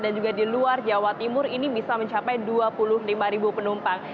dan juga di luar jawa timur ini bisa mencapai dua puluh lima penumpang